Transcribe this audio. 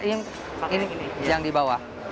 ini yang di bawah